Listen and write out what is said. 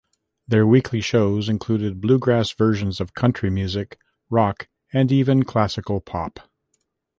Their weekly shows included bluegrass versions of country music, rock, and even classical pop.